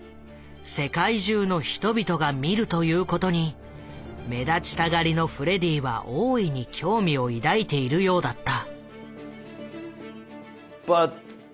世界中の人々が見るということに目立ちたがりのフレディは大いに興味を抱いているようだった。